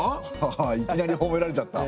ハハいきなりほめられちゃった。